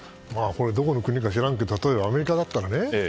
これはどこの国か知らんけど例えば、アメリカだったらね。